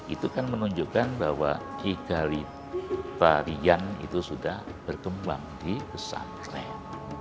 itu kan menunjukkan bahwa egalitarian itu sudah berkembang di pesantren